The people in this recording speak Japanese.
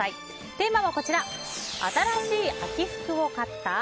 テーマは新しい秋服を買った？